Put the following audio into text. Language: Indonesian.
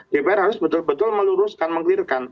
dpr harus betul betul meluruskan mengkelirkan